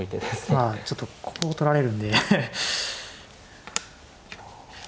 まあちょっとここを取られるんで。